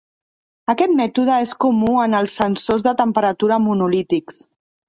Aquest mètode és comú en els sensors de temperatura monolítics.